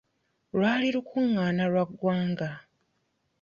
Lwali lukungaana lwa ggwanga..